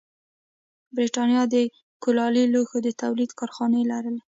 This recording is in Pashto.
برېټانیا د کولالي لوښو د تولید کارخانې لرلې.